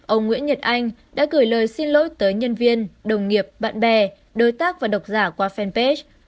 ông nguyễn nhật anh đã gửi lời xin lỗi tới nhân viên đồng nghiệp bạn bè đối tác và độc giả qua fanpage